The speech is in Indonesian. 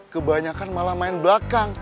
kebanyakan malah main belakang